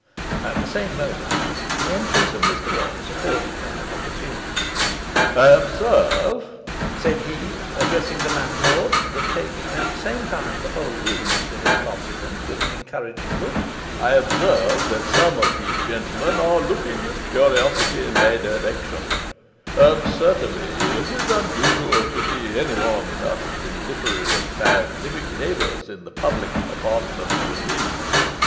At the same moment the entrance of Mr Watts afforded him an opportunity. 'I observe,' said he, addressing the landlord, but taking at the same time the whole room into his confidence with an encouraging look, 'I observe that some of these gentlemen are looking with curiosity in my direction; and certainly it is unusual to see anyone immersed in literary and scientific labours in the public apartment of an inn.